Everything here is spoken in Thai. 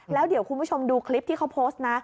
แล้วเดี๋ยวคุณผู้ชมดูคลิปที่เขาโพสต์นะ